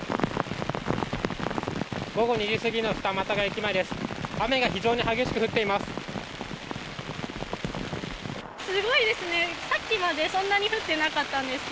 午後２時過ぎの二俣川駅前です。